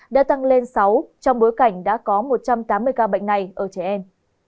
đã tăng lên sáu trong bối cảnh đã có một trăm tám mươi ca bệnh này ở trẻ em